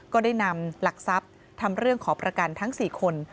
ก็ได้นำหลักทรัพย์ทำเรื่องขอประกันทั้ง๔คน